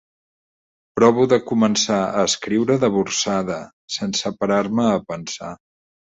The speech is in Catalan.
Provo de començar a escriure de bursada, sense parar-me a pensar.